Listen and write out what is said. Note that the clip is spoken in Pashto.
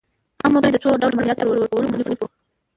عام وګړي د څو ډوله مالیاتو په ورکولو مکلف وو.